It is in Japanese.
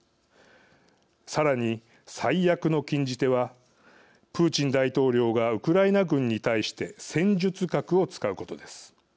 さらに、最悪の禁じ手はプーチン大統領がウクライナ軍に対して戦術核を使うことです。